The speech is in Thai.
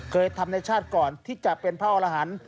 เคยทำในชาติก่อนที่จะเป็นพระอรหันต์